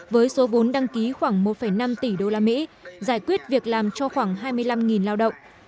với số vốn đăng ký khoảng một năm tỷ usd giải quyết việc làm cho khoảng hai mươi năm lao động